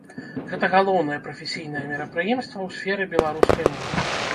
Гэта галоўнае прафесійнае мерапрыемства ў сферы беларускай моды.